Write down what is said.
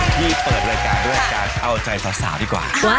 ที่เปิดรายการด้วยการเอาใจสาวดีกว่า